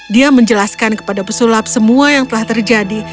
dia menjelaskan kepada pesulap semua yang telah terjadi